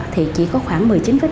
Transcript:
thì chỉ có khoảng